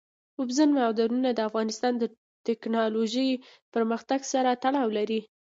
اوبزین معدنونه د افغانستان د تکنالوژۍ پرمختګ سره تړاو لري.